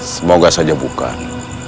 semoga saja bukan